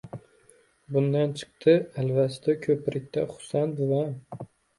Bundan chiqdi, Alvasti ko‘prikda Husan buvam